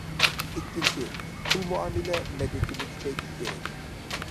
ئىككىنچى، پۇل مۇئامىلە مەدىتىنى كۈچەيتىش كېرەك.